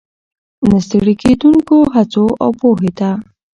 ، نه ستړې کېدونکو هڅو، او پوهې ته